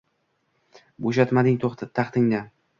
Bo’shatmading taxtingni?